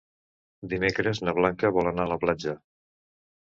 Dimecres na Blanca vol anar a la platja.